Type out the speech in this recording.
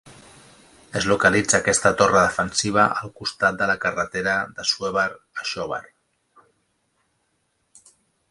Es localitza aquesta torre defensiva al costat de la carretera d'Assuévar a Xóvar.